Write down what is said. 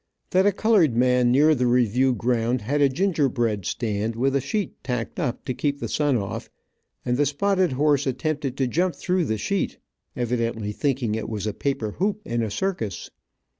That a colored man near the review ground had a ginger bread stand, with a sheet tacked up to keep the sun off, and the spotted horse attempted to jump through the sheet, evidently thinking it was a paper hoop in a circus.